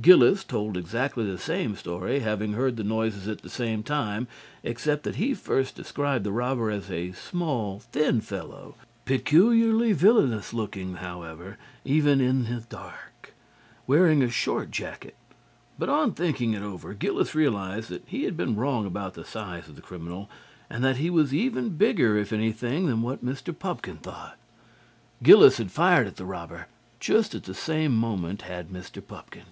Gillis told exactly the same story, having heard the noises at the same time, except that he first described the robber as a small thin fellow (peculiarly villainous looking, however, even in the dark), wearing a short jacket; but on thinking it over, Gillis realized that he had been wrong about the size of the criminal, and that he was even bigger, if anything, than what Mr. Pupkin thought. Gillis had fired at the robber; just at the same moment had Mr. Pupkin.